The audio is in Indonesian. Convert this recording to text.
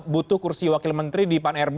butuh kursi wakil menteri di pan rb